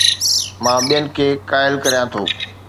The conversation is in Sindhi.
مان ٻين کي قائل ڪريان ٿو